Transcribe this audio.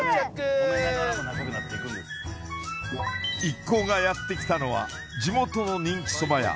一行がやってきたのは地元の人気そば屋